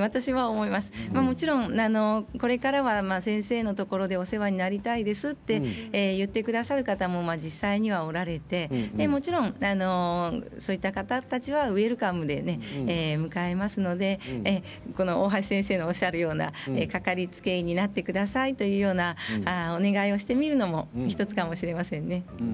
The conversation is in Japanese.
私はもちろんこれからは先生のところでお世話になりたいですと言ってくださる方も実際には、おられてもちろんそういった方たちはウエルカムで迎えますので大橋先生のおっしゃるようなかかりつけ医になってくださいというようなお願いをしてみるのも１つかもしれませんね。